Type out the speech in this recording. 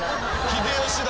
秀吉だ。